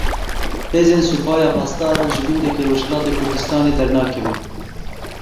Hêzên Supaya Pasdaran ji gundekî Rojhilatê Kurdistanê dernakevin.